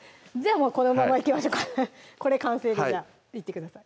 もうこのままいきましょうかこれ完成でじゃあいってください